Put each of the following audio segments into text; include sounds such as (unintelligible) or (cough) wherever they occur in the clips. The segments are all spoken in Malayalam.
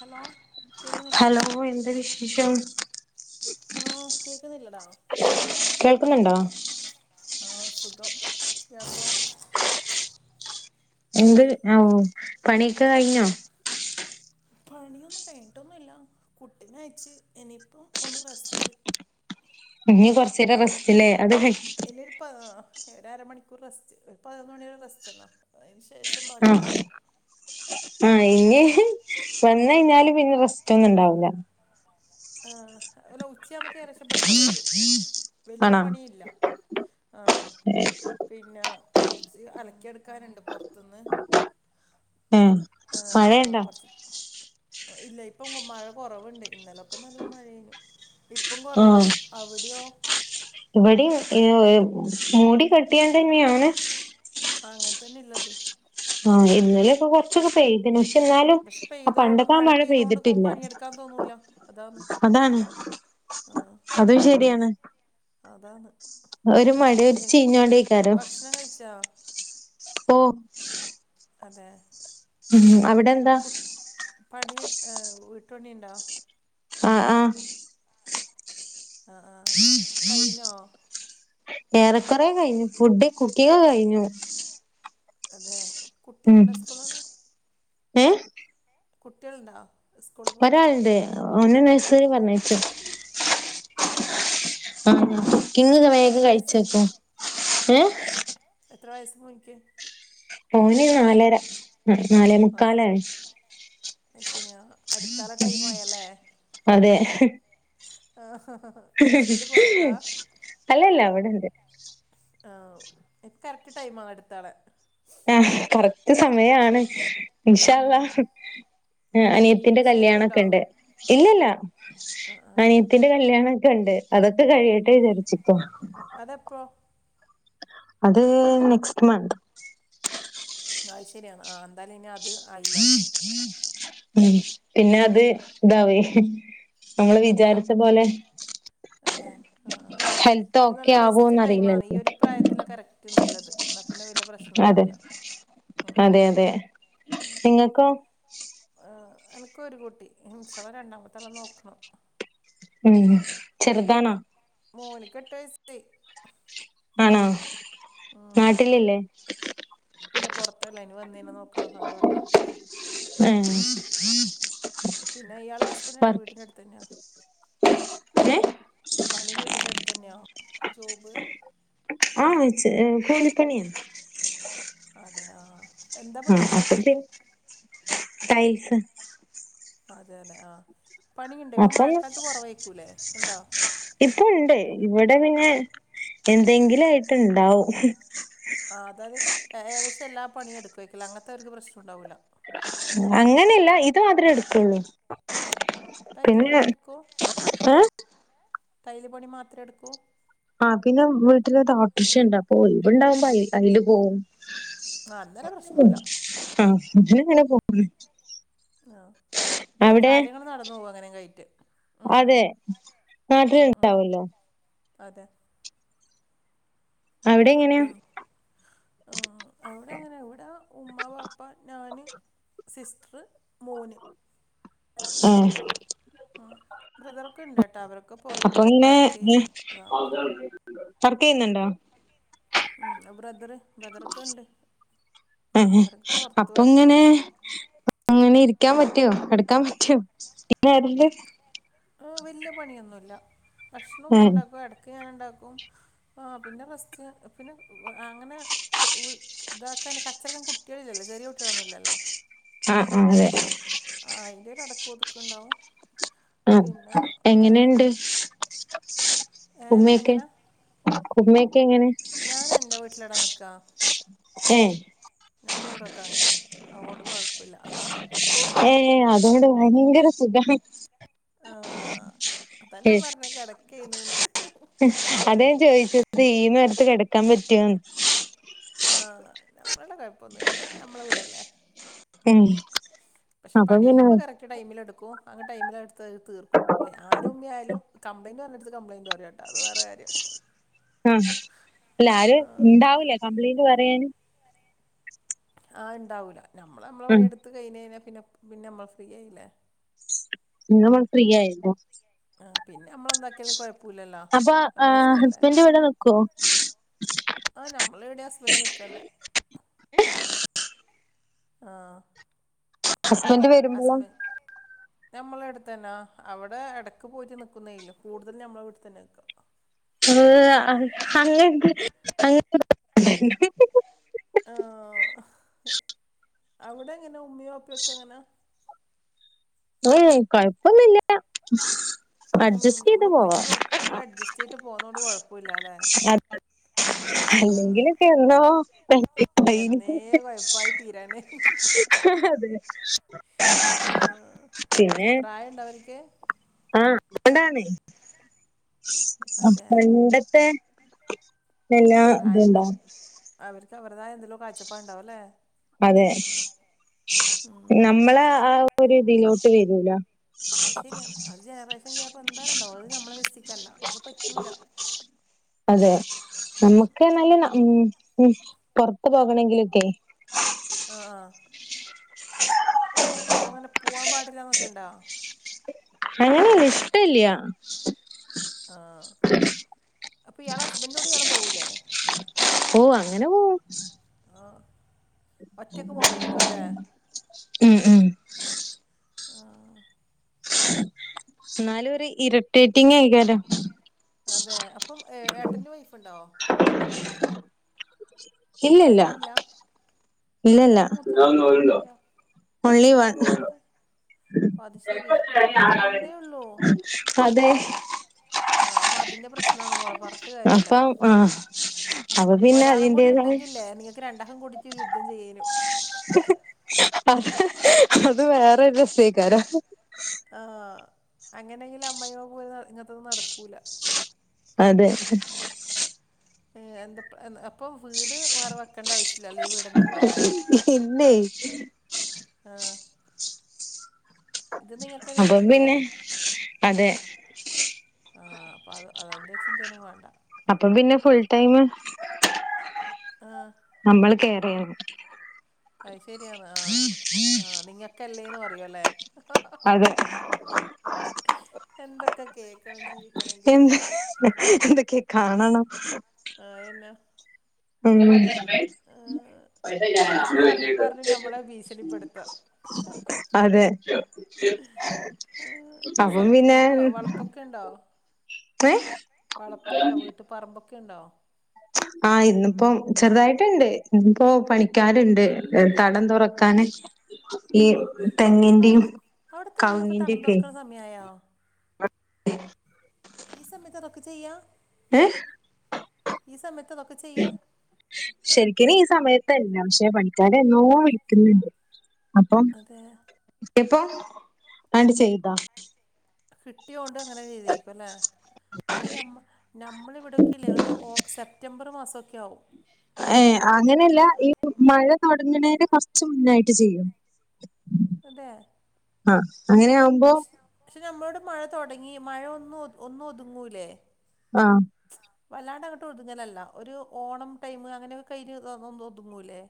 ഹലോ കേൾക്കുന്നില്ലേ ഹലോ എന്ത് വിശേഷം? ആ കേക്കുന്നില്ലടാ കേൾക്കുന്നുണ്ടോ ആ സുഖം (unintelligible) എന്ത് (unintelligible) പണിയൊക്കെ കഴിഞ്ഞോ? പണിയൊന്നും കഴിഞ്ഞിട്ടൊന്നുല്ല കുട്ടീനെ അയച്ച് ഇനിയിപ്പം ഒന്ന് റസ്റ്റ്‌ ഇനി കൊറച്ചേരം റെസ്റ്റലെ അത് ഇപ്പ ഒര രമണിക്കൂർ റെസ്റ്റ് ഒരു പതിനൊന്ന് മണിയരെ റെസ്റ്റ് ന്നാ അതിന് ശേഷം ബാക്കി തൊ ടങ്ങും. ആ ഇനി വന്ന കഴിഞ്ഞാലും പിന്നെ റെസ്റ്റ് ഒന്നും ഉണ്ടാവൂല്ല. ആ അല്ല ഉച്ചാ മ്പേക്ക് ഏകദേശം പണി ഒ ക്കെ കയ്യും വല്യ ആണോ പണിയില്ല. ആ പിന്നെ കുറച്ച് അലക്കിയെടുക്കാനുണ്ട് പൊർത്തു ന്ന് മ് ആ ആ കൊർച്ച്‌ ഇല്ല ഇപ്പൊ മഴ കുറവുണ്ട് ഇന്നലൊക്കെ നല്ല മഴയനു. ഇപ്പം കൊറവുണ്ട് അവിടയോ? ഇവിടീം മൂടി കട്ടിയാണ്ട്ന്നെണ്. ആ അങ്ങൻ തന്നെള്ളത് ആ ഇന്നലൊക്കെ കുറച്ചൊക്കെ പെയ്ത്ണ് ന്നാലും പക്ഷെ ആ പെയ്തോണ്ട് പണ്ടൊക്കാ മഴ പെയ്തോണ്ട് പെയ്തിട്ടില്ല പണിയെടുക്കാൻ തോന്നൂല അതാന്ന് അതാണ്. അതും ശരിയാണ് അതാണ്‌ ഒരു മഴ ഒരു ചീഞ്ഞോണ്ടയിക്കാരം ഭക്ഷണം കഴിച്ചാ ഓഹ് അതെ ഉം അവിടെ എ (unintelligible) പണി വീട്ടുപണിണ്ടോ ആഹ് ആഹ് ആഹ് ആഹ് കഴിഞ്ഞോ? ഏറേകൊറേ കഴിഞ്ഞു ഫുഡ് കുക്കിങ്ങൊ കയ് ഞ്ഞു അതെ ഉം കുട്ടികളുണ്ടോ സ്കൂളിന്ന് ഏഹ് കുട്ടിയെൾണ്ടോ ഒരാൾണ്ട് ഓനെ നഴ്സറി പറഞ്ഞയച്ചു അതെ ആഹ് കുക്കിങ്ങ് ആഹ് ഒക്കെ വേഗം എത്ര കയ് ച്ചുവെക്കും ഏഹ് എത്രവയസ് മോന്ക് ഓന് നാലര നാലേ മുക്കാലായി അത്ശരിയാ അടുത്താളെ ടൈമാ യല്ലേ അതെ ആഹ് അല്ലല്ല അവ്ടെണ്ട് ആഹ് എൻക്ക് കറക്റ്റ് ടൈമാ അടുത്താളെ ആഹ് കറക്റ്റ് സമയാണ് ഇൻഷാ ഉം, അല്ലാഹ് അതെ അനിയത്തിന്റെ വിശേഷം ഉണ്ടോ കല്യാണക്കെണ്ട് ഇല്ലല്ല ആ ആ അനി യത്തിന്റെ കല്യാണോക്കെ ണ്ട് അതൊക്കെ കഴിയട്ടെ വിചാരിച്ചിക്ക അതെപ്പോ അത് നെക്സ്റ്റ് മന്ത് അഹ് ശരിയാണ് ആ എന്തായാലും ഇനി അത് ആയില്ലേ ഉം പിന്നെ ആ അത് ഇതാവെയ് നമ്മള് അതെ വിചാരിച്ച പോലെ അതെ അ ആ ഹെൽത്ത് ഇത് ഓക്കെ നല്ല ബെസ്റ്റ് ടൈമാണ് ഈ ആവോന്നറിയില്ലല്ലോ ഒരു പ്രായത്തിലാ കറക്റ്റ് നല്ലത് ന്നാ പിന്നെ വല്ല്യ അതെ പ്രശ്നണ്ടാവൂല ഉം ഉം ങ്ങക്കോ ആ എനക്ക് ഒരു കുട്ടി ഇന്ഷാ അല്ലാഹ് രണ്ടാമത്താളെ നോക്കണം ഉം ചെറുതാണോ? മോന്ക്ക് എട്ട് വയസ്സായി ആണോ ഉം നാട്ടിലില്ലേ ഇല്ല പൊറത്താള്ളെ എനി വന്നഴിഞ്ഞ നോക്കണം അത പറഞ്ഞെ ഏ പിന്നെ ഇയാളെ ഹസ്ബന്റ് എടെ വീട്ടിന്റെ അടുത്തെന്നെയാ ഏഹ് പണി വീട്ടിന്റെ അടുത്തെന്നെയാ ജോബ് ആ ച്ചെ കൂലിപ്പണിയ അതെ ആ എന്താ ഉം പണിയെടുക്കുക അപ്പൊ പിൻ ടൈൽസ് അതെലേ ആ പണിയുണ്ടോ ഇപ്പോ അപ്പം മഴക്കാലത്ത് കൊറവായിക്കൂലേ ണ്ടോ? ഇപ്പോണ്ട് ഇവിടെ പിന്നെ എന്തെങ്കിലും ആയിട്ട്ണ്ടാവും ആ അതായത് ഏകദേശം എല്ലാ പണിയും എടുക്കു ആയിക്കും ല്ലെ അങ്ങൻത്തെവർക്ക് പ്രശ്നണ്ടാവൂല അങ്ങനെയല്ല ഇത് മാത്രേ എടുക്കുള്ളൂ ടൈല് പിന്നെ പണിയാ എടുക്കുമോ ഏ ടൈല് പണി മാത്രെ എടുക്കൂ ആ പിന്നെ വീട്ടിലോട്രഷണ്ട് അപ്പൊയ് വ്ണ്ടാവുമ്പോ അയി അയില് പോവും ആ അന്നേരം ഉം പ്രശ്നമില്ല ആ അങ്ങനെയാണ് പോവുലേ ആ അപ്പൊത് അവിടെ കാര്യങ്ങള് നടന്ന് പോവും അങ്ങനെക്കെ ആയിട്ട് ഉം ഉം നാട്ടില് ഉണ്ടാവല്ലോ അതെ അവിടെ എങ്ങനെയാ പിൻ ഏ എവിടെങ്ങനെ വീടെ ഉമ്മാ വാപ്പ ഞാന് സിസ്റ്ററ് മോന് ഉം ഉം ബ്രദറൊക്കെണ്ട്ട്ടോ അവരൊക്കെ അപ്പൊ പൊറത്ത് വർക്ക് ചെയ്യും അതാ വർക്കെയ്യുന്നുണ്ടോ? ഉം ബ്രദറ് ഏ അവരൊക്കെ പുറത്ത് വർക്ക് അപ്പൊങ്ങനെ ചെയ്യും അപ്പൊങ്ങനെ ഇരിക്കാൻ പറ്റ്യോ കടക്കാൻ പറ്റ്യോ പിന്നെ ഒരല് ആ വല്ല്യ പണിയൊന്നൂല്ല ഭക്ഷണം ആ ഉമ്മണ്ടാക്കും എട ക്കെ ഞാണ്ടാക്കും ആ പിന്നെ റസ്റ്റ് പിന്നെ ആ അങ്ങനെ ക് വീ ക് ഇതാക്കാന് കച്ചറക്ക്‌ കുട്ട്യാളില്ലല്ലോ ചെറിയ കുട്യാളൊന്നൂല്ലല്ലോ ആ ആ അതെ ആ അയിൻ്റെ ഒരടക്കോം ഒതുക്കണ്ടാവും ആ എങ്ങനെണ്ട്? ഏ ഉമ്മയൊക്കെ എങ്ങനെ ഉമ്മയൊക്കെ എങ്ങനെ? ഞാൻ എന്റെ വീട്ടിലാടാ നിക്കാ ക്ഷേ ഞമ്മളിവിടൊക്കെ അങ്ങനെയാ അഅ്ങ്ങോണ്ട് കുഴപ്പല്ല ഏ അത് ഇങ്ങള് ഭയങ്കര സുഖാ ആഹ് അതാ ഞാൻ പർഞ്ഞത് കെടക്കെന്ന് അതെ ചോയ്ച്ചത് ഈ നേരത്ത് കെടക്കാൻ പറ്റോന്ന്? ആഹ് നമ്മളെ ഇവടെ കുഴപ്പൊന്നുല്ല നമ്മളെ വീടെല്ലേ ഏഹ് പക്ഷെ പണിയെല്ലാം മ്മള് ഇട് റ്റ് ടൈമില് എടുക്കും ആഹ് ടൈമിലത് ഇട്ത്ത് തീർക്കും ആരുമ്മി ആയാലും കംപ്ലയ്ന്റ് പറഞ്ഞടുത്ത് കംപ്ലയിന്റ് പറയാ അത് വേറെ കാര്യം അഹ് അല്ല ആര് ഇണ്ടാവൂല്ല കംപ്ലയ്ന്റ് പറയാൻ ആഹ് ഇണ്ടാവൂല നമ്മള് നമ്മളെ ഉം പണിയെടുത്ത് കഴിഞ്ഞഴിഞ്ഞാ പിന്നെ പിന്നെ അമ്മള് ഫ്രീ ആയില്ലേ. പിന്നെ അമ്മള് ഫ്രീ ആയിരിക്കും ആഹ് പിന്നെ നമ്മളെന്താക്കിയാലും കൊഴപ്പൂല്ലല്ലോ അപ്പൊ ആഹ് നമ്മളിഷ്ടല്ലേ ഹസ്ബൻഡ് ഇവിടെ നിക്കുവോ ആഹ് നമ്മളവിടെയാ ഹസ്ബന്റ് നിക്കണ്ടേ ആഹ് ഹസ്ബന്റ് വെ ഹസ്ബന്റ് ഞമ്മളെ ഇവട്ത്തന്നാ അവിടെ എടക്ക് പോയിട്ട് നിക്കുന്നെ ഇള്ളൂ കൂടുതൽ ഞമ്മള് ഇവിടെ തന്നെ നിക്ക ഏഹ് അങ്ങൻ (unintelligible) ആഹ് അവിടെ എങ്ങനെ ഉമ്മി, ഉപ്പക്കെ എങ്ങനാ? ഏഹ് കൊഴപ്പൊന്നുല്ല ഉം അഡ്ജസ്റ്റ് നമ്മൾ ചെയ്ത് പോവാ ഒപ്പിച്ച് കൊ നമ്മൾ അഡ്ജസ്റ്റ് ചെയ്തിട്ട് പോന്നോണ്ട് കുഴപ്പമില്ല അല്ലേ അത് ആഹ് അല്ലെങ്കിലൊക്കെ എന്നോ എന്നേ (unintelligible) കൊഴപ്പായി തീരാനേ അതെ ആഹ് പിന്നെ പ്രായണ്ടവർക്ക്? ആഹ് അതാണെ ആഹ് അതെ പണ്ടത്തെ ഓ എല്ലാ പ്രായംണ്ട് ഇതുണ്ടാവും അവർക്ക് അവരുടെതായ എന്തെലോ കാഴ്ചപ്പാട് ഇണ്ടാവുല്ലേ? അതെ നമ്മളെ ആഹ് ഒരു ഇതിലോട്ട് വരൂലാ അത് ശെരിയാണ് അത് ജനറേഷൻ ക്യാപ്പ് എന്തായാലും ഇണ്ടാവും അത് നമ്മളെ മെസ്സിക്കല്ല അത് പറ്റൂല അതെ നമ്മക്ക് പ്പംന്നല്ലേ ന്ന മ് ഉം പോർത്ത് പോകണെങ്കിലൊക്കെ ആഹ് ആഹ് പോവാന് പോവാൻ പാടില്ല എന്നൊക്കെ ഇണ്ടോ? അങ്ങനെല്ല ഇഷ്ടല്ല ആഹ് അപ്പ ഇയാളെ ഹസ്ബന്റിന്റെ കൂടെ ഇയാള് പോവൂലേ? ഓ അങ്ങനെ പോവും ആഹ് ഒറ്റക്ക് പോവ്ന്നരിക്കും അല്ലേ? ഉം ഉം ആഹ് എന്നാലും ഒരു ഇരിട്ടേറ്റിംഗ് ഏക്കാരം അതെ അപ്പം ഏ ഏട്ടന്റെ വൈഫ്‌ണ്ടോ? ഇല്ലല്ല ഏട്ടനില്ല ഇല്ലല്ല ഇയാള മൂത്തത് ഒൺലി ഇയാളാ വൺ മൂത്തത്? അത് ശെരി ഓ ഒന്നേ ഒള്ളു അതെ ആഹ് അപ്പ അതിന്റെ പ്രശ്നാണ് മോളെ പർഞ്ഞിട്ട് കാര്യല്ല അപ്പം ആഹ് അപ്പൊ പിന്നെ ഒരാളും കൂടി അതിന്റേതായ ഇണ്ടെങ്കില്ലേ നിങ്ങക്ക് രണ്ടാക്കും കൂടിട്ട് യുദ്ധം ചെയ്യേനു അ അത് വേറെരു രസേക്കാരം ആഹ് അങ്ങനെങ്കിലും അമ്മായിമ്മ പോര് ഇങ്ങൻത്തെന്നും നടക്കൂല അതെ എന്താ അപ്പോ വീട് വേറെ വെക്കണ്ട ആവശ്യല്ലല്ലേ ഈ വീട്ന്നെ ഇണ്ടലെ ഇല്ലെയ്. ആഹ് ഇത് നിങ്ങക്കന്നെ അപ്പം ഏരിക്കൂല്ലേ? പിന്നെ അതെ ആഹ് അപ്പൊ അത് അതെന്റെ ചിന്തയന്നും വേണ്ട. അപ്പം പിന്നെ ഫുൾ ടൈം. ആഹ് നമ്മള് കേയറെയ്യണം. അയ്ശരിയാന്ന് ആഹ് ആഹ് നിങ്ങക്കല്ലേന്ന് പറയോല്ലെ. അതെ എന്തൊക്കെ കേക്കണം ജീവിക്കണങ്കില്. എന്തക്കെ കാണണം. ആഹ് യന്നെ. ഉം. ആഹ് ഇത് പറഞ്ഞു പറഞ്ഞു നമ്മളെ ഭീഷണിപ്പെടുത്താ അതെ ആഹ് അപ്പം സത് പിന്നെ ഇണ്ടോ വളപ്പൊക്കെ ഉണ്ടോ ഏഹ് വളപ്പുണ്ടോ വീട്ടിൽ പറമ്പൊക്കെ ഉണ്ടോ? ആഹ് ഇന്നിപ്പോ ചെറുതായിട്ടുണ്ട് ഇന്നപ്പോ പണിക്കാരുണ്ട് തടം തുറക്കാൻ. ഈ ആ അവ തെങ്ങിന്റെയും അവിടെ തെങ്ങിനൊക്കെ തടം കൗങ്ങിന്റിക്കെ. തുറക്കണ സമയായോ ഈ സമയത്ത് അതൊക്കെ ചെയ്യാ? ഏഹ് ഈ സമയത്ത് അതൊക്കെ ചെയ്യാ? ശരിക്കിന് ഈ സമയത്തല്ല പക്ഷേ പണിക് ക്കാരെ എന്നോ വിളിക്കുന്നുണ്ട് അപ്പം. അതെ ഇപ്പോ ആണ്ട് ചെയ്താ കിട്ടിയോണ്ട് അങ്ങനെ ചെയ്തെയ്ക്കും അല്ലേ? അല്ല ഞമ്മ ഞമ്മളിവിടെയൊക്കെ ഇല്ലേ ഒരു ഓ സെപ്റ്റംബർ മാസമൊക്കെ ആവും ഏഹ് അങ്ങനെയല്ല ഈ മഴ തുടങ്ങണേന് കുറച്ച് മുന്നായിട്ട് ചെയ്യും (inaudible) അതേ ആഹ് അങ്ങനെ ആകു പക്ഷ് പക്ഷെ നമ്മളവിടെ മഴ തൊടങ്ങി മഴ ഒന്ന് ഒന്ന് ഒതുങ്ങൂലേ? ആഹ് വല്ലാണ്ട് അങ്ങട്ട് ഒതുങ്ങലല്ല ഒരു ഓണം ടൈമ് അങ്ങനെയൊക്കെയിട്ട് ഒതുങ്ങൂല്ലേ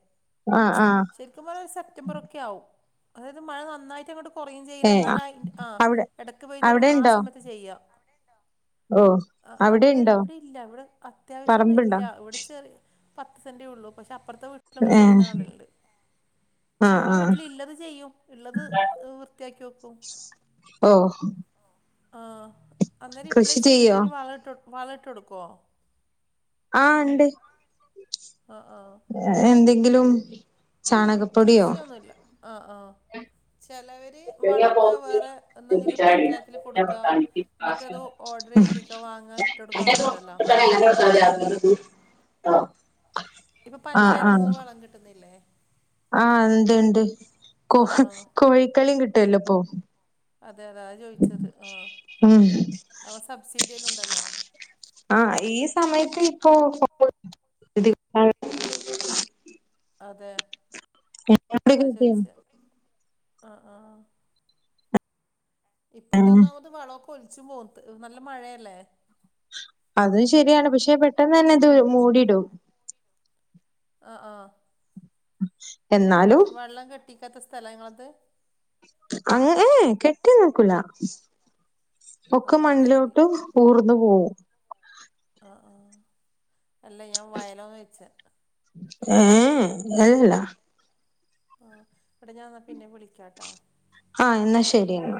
ആഹ് ആഹ് ശരിക്കും പറഞ്ഞാ ഒരു സെപ്റ്റംബർ ഒക്കെ ആവും. അതായത് മഴ നന്നായിട്ട് അങ്ങട്ട് കൊറിം ചെയ്യില്ല ഏ എന്നാല് ആഹ് ആ അവിടെ ഇടക്ക് പെയ്യുന്ന ഒരു അവിടെ ആഹ് സമയത്ത് ചെയ്യ ഓഹ് അവിടെ ഇവിടെ ഇല്ല ഇവിടെ അത്യാവശ്യം പറമ്പുണ്ടോ ഇല്ല ഇവിടെ ചെറി പത്ത് സെന്റേ ഉള്ളൂ പക്ഷെ അപ്പർത്തെ വീട്ടിലൊക്കെ ഏ ചെയ്യുന്ന കാണലുണ്ട് ആ പക്ഷെ നമ്മളെ ആ വീട്ടില് ഇല്ലത് ചെയ്യും ഇള്ളത് വൃത്തിയാക്കി വെക്കും. ഓ ആഹ് അന്നേരം ഇപ്ലെ കൃഷി ചെയ്തിട്ട് ചെയ്യോ ഇനി വളം ഇട്ടു വള ഇട്ടു കൊടുക്കോ? ആഹ് ഇണ്ട് ആഹ് ആഹ് എന്തെങ്കിലും ചാണകപ്പൊടിയോ കൃഷിയൊന്നുല്ല ആഹ് ആഹ്. ചെലവ വളമൊക്കെ വേറെ എന്തെങ്കില് പഞ്ചായത്തിലി കൊടുക്കു എന്നിട്ടത് ഓർഡർ ചെയ്പ്പിക്കാ വാങ്ങാൻ ഇട്ടൊടുക്കുന്നുണ്ടല്ലോ ആഹ് ഇപ്പം പഞ്ചായത്തൂന്ന് വളം കിട്ടുന്നില്ലേ ആഹ് ഉണ്ട് ഉണ്ട് കോ ആ ആ കോഴിക്കളി കിട്ടല്ലോ ഇപ്പം അതെ അതാ ചോദിച്ചത് ആഹ് ഉം അപ്പം സബ്സിഡിയെല്ലാം ണ്ടല്ലോ ആഹ് ഈ സമയത്ത് ഇപ്പോ (unintelligible) അതെ അതാ ചോയിച്ചെ ആഹ് ആഹ് ഏഹ് ഇപ്പട്ടന്നാഒന്നാമത് വള ലിച്ചു പോത്ത് നല്ല മഴയല്ലേ അതും ശരി ആണ് പക്ഷെ പെട്ടെന്നന്നെ ഇത് മൂടിയിടും ആഹ് ആഹ് പിന്നെ ഒന്ന് എന്നാലും വെള്ളം കെട്ടിക്കാത്ത സ്ഥലങ്ങളാത് അങ്ങനെ കെട്ടിന്നു നിക്കൂല ഒക്കെ ഓ അത് ശരി മണ്ണിലോട്ട് ഊർന്ന് പോ പോവു ആഹ് ആഹ് അല്ല ഞാൻ വയലാന്നാ വച്ചെ ഉം വയലല്ല ആഹ് എടാ ഞാൻ എന്നാ പിന്നെ വിളിക്കാട്ടാ ആഹ് എന്നാ ശരി എന്നാ